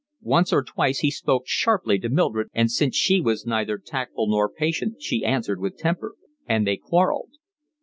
Once or twice he spoke sharply to Mildred, and since she was neither tactful nor patient she answered with temper, and they quarrelled.